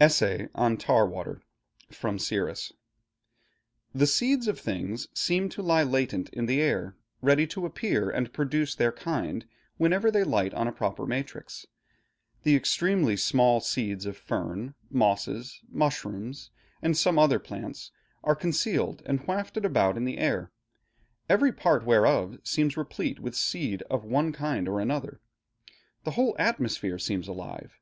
ESSAY ON TAR WATER From 'Siris' The seeds of things seem to lie latent in the air, ready to appear and produce their kind, whenever they light on a proper matrix. The extremely small seeds of fern, mosses, mushrooms, and some other plants, are concealed and wafted about in the air, every part whereof seems replete with seeds of one kind or other. The whole atmosphere seems alive.